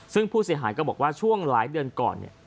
ซึ่งผู้เสียหายก็บอกว่าช่วงหลายเดือนก่อนเนี่ย